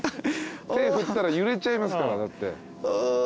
手振ったら揺れちゃいますからだって。